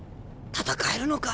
戦えるのか？